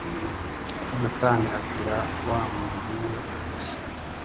yonatani abwira wa muntu we, ati